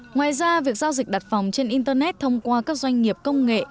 ngoài ra việc giao dịch đặt phòng trên internet thông qua các doanh nghiệp công nghệ